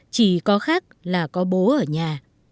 chỉ có khác là có bố ở nhà